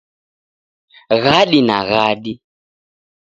Ghadi na ghadi